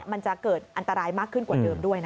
มันจะเกิดอันตรายมากขึ้นกว่าเดิมด้วยนะคะ